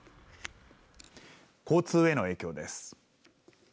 交通への影響です。